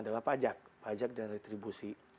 adalah pajak dan retribusi